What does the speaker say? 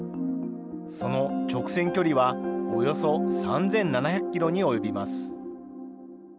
その直線距離はおよそ３７００キロに及びます。